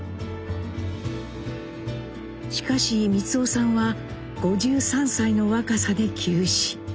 しかし光男さんは５３歳の若さで急死。